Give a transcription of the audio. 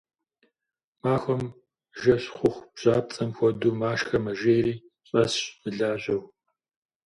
Махуэм жэщ хъуху бжьапцӏэм хуэдэу машхэ мэжейри щӏэсщ, мылажьэу.